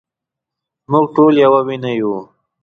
مونږ ټول يوه وينه يو